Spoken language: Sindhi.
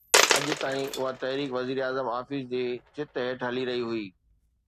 اڄ تائين اها تحريڪ وزيراعظم آفيس جي ڇت هيٺ هلي رهي هئي.